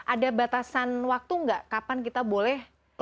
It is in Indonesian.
ada batasan waktu nggak kapan kita boleh